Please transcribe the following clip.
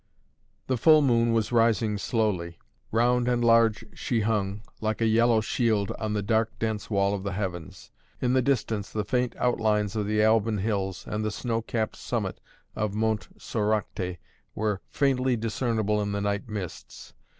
The full moon was rising slowly. Round and large she hung, like a yellow shield, on the dark, dense wall of the heavens. In the distance the faint outlines of the Alban Hills and the snow capped summit of Monte Soracté were faintly discernible in the night mists.